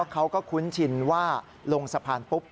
คุ้นชินว่าลงสะพานปุ๊บ